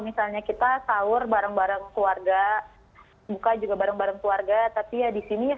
misalnya kita sahur bareng bareng keluarga buka juga bareng bareng keluarga tapi ya di sini